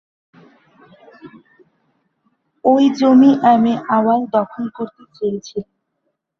ওই জমি M A Awal দখল করতে চেয়েছিলেন।